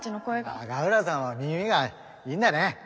永浦さんは耳がいいんだね。